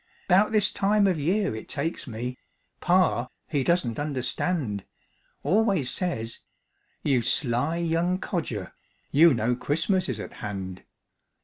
'Bout this time of year it takes me Pa, he doesn't understand, Always says: "You sly young codger, You know Christmas is at hand."